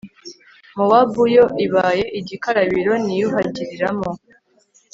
mowabu yo ibaye igikarabiro niyuhagiriramo